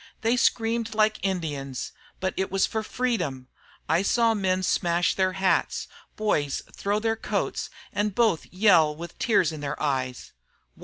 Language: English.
They screamed like Indians, but it was for freedom. I saw men smash their hats, boys throw their coats; and both yell with tears in their eyes.